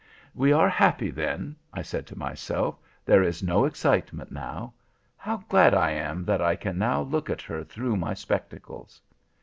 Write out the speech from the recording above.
"We are happy then," I said to myself, "there is no excitement now. How glad I am that I can now look at her through my spectacles."